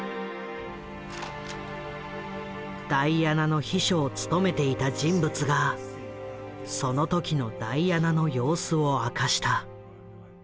ダイアナの秘書を務めていた人物がその時のダイアナの様子を明かした。